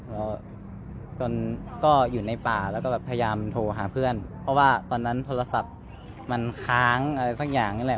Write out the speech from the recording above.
พอจนก็อยู่ในป่าแล้วก็แบบพยายามโทรหาเพื่อนเพราะว่าตอนนั้นโทรศัพท์มันค้างอะไรสักอย่างนี่แหละ